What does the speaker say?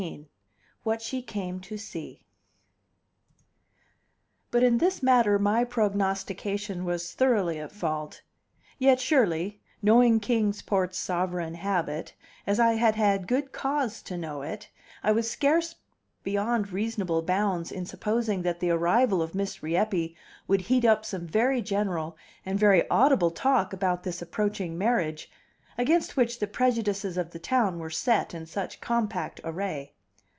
XV: What She Came to See But in this matter my prognostication was thoroughly at fault; yet surely, knowing Kings Port's sovereign habit, as I had had good cause to know it, I was scarce beyond reasonable bounds in supposing that the arrival of Miss Rieppe would heat up some very general and very audible talk about this approaching marriage, against which the prejudices of the town were set in such compact array.